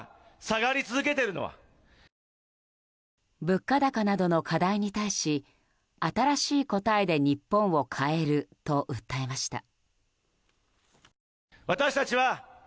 物価高などの課題に対し新しい答えで日本を変えると訴えました。